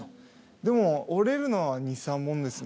でも折れるのは２３本ですね。